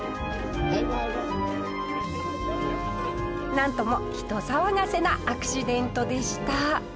なんとも人騒がせなアクシデントでした。